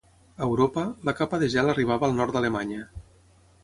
A Europa, la capa de gel arribava al nord d'Alemanya.